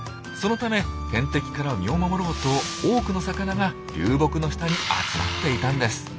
そのため天敵から身を守ろうと多くの魚が流木の下に集まっていたんです。